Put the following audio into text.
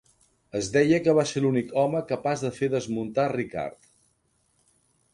Es deia que va ser l'únic home capaç de fer desmuntar Ricard.